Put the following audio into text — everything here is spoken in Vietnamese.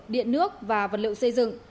điện nước và vật liệu xây dựng